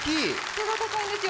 背が高いんですよ。